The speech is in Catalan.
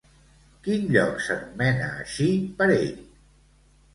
Quin lloc s'anomena així per ell?